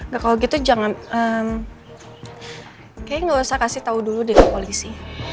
gak kalau gitu jangan kayaknya gak usah kasih tau dulu deh ke polisi